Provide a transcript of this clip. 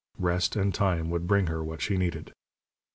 Rest and time would bring her what she needed.